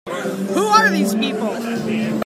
Who are these people?